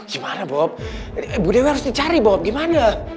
gimana bob ibu dewi harus dicari bob gimana